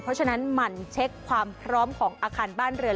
เพราะฉะนั้นหมั่นเช็คความพร้อมของอาคารบ้านเรือน